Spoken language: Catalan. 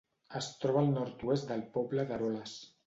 Es troba al nord-oest del poble d'Eroles.